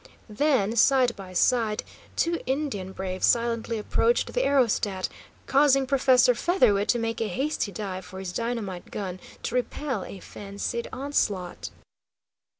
Then, side by side, two Indian braves silently approached the aerostat, causing Professor Featherwit to make a hasty dive for his dynamite gun to repel a fancied onslaught.